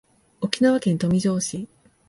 沖縄県豊見城市